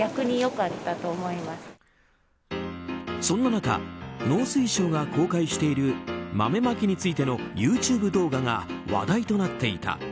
そんな中農水省が公開している豆まきについてのＹｏｕＴｕｂｅ動画が話題となっていた。